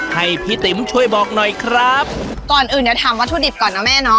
ให้พี่ติ๋มช่วยบอกหน่อยครับก่อนอื่นเดี๋ยวถามวัตถุดิบก่อนนะแม่เนาะ